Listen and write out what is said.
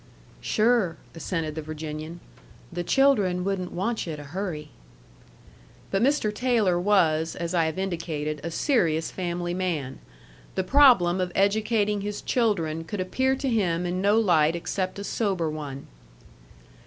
"Sure," assented the Virginian. "The children wouldn't want yu' to hurry." But Mr. Taylor was, as I have indicated, a serious family man. The problem of educating his children could appear to him in no light except a sober one.